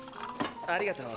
ありがとう。